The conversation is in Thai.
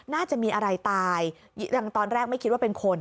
น่าจะมีอะไรตายอย่างตอนแรกไม่คิดว่าเป็นคน